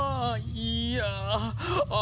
いやあ。